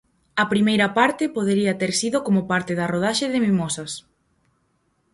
A primeira parte podería ter sido como parte da rodaxe de Mimosas.